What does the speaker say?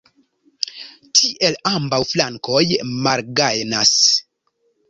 Tiel ambaŭ flankoj malgajnas.